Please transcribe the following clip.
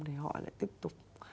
thì họ lại tiếp tục